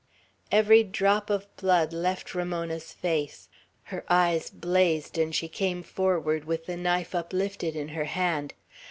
Every drop of blood left Ramona's face. Her eyes blazed, and she came forward with the knife uplifted in her hand.